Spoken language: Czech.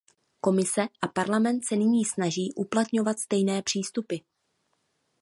Komise a Parlament se nyní snaží uplatňovat stejné přístupy.